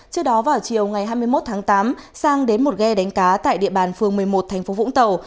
trước đó vào chiều ngày hai mươi một tháng tám sang đến một ghe đánh cá tại địa bàn phường một mươi một thành phố vũng tàu